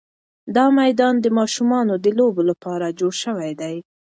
دا میدان د ماشومانو د لوبو لپاره جوړ شوی دی.